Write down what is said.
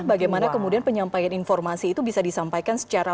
bagaimana kemudian penyampaian informasi itu bisa disampaikan secara